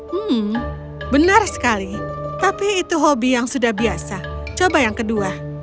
hmm benar sekali tapi itu hobi yang sudah biasa coba yang kedua